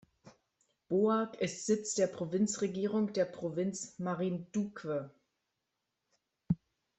Boac ist Sitz der Provinzregierung der Provinz Marinduque.